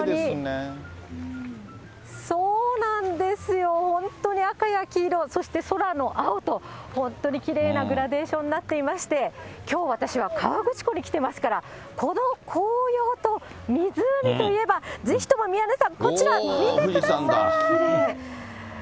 そうなんですよ、本当に赤や黄色、そして空の青と、本当にきれいなグラデーションになっていまして、きょう私は、河口湖に来ていますから、この紅葉と湖といえば、ぜひとも宮根さん、こちら、見てください。